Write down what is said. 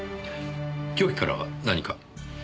凶器からは何か？